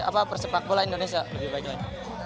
apa persepak bola indonesia lebih baik lagi